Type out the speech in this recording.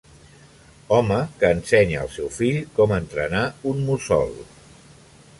Home que ensenya al seu fill com entrenar un mussol.